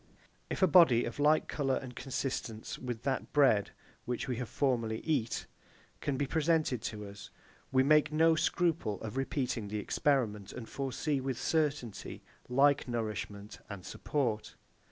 If a body of like colour and consistence with that bread, which we have formerly eat, be presented to us, we make no scruple of repeating the experiment, and foresee, with certainty, like nourishment and support.